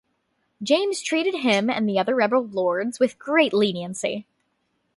James treated him and the other rebel lords with great leniency.